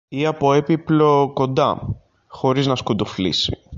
ή από έπιπλο κοντά χωρίς να σκουντουφλήσει.